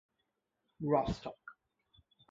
Rostock.